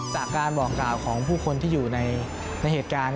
จากการบอกกล่าวของผู้คนที่อยู่ในเหตุการณ์